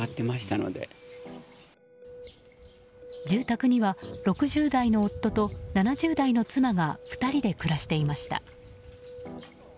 住宅には６０代の夫と７０代の妻が２人で暮らしていました。